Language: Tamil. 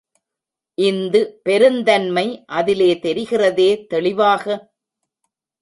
இந்து பெருந்தன்மை அதிலே தெரிகிறதே தெளிவாக!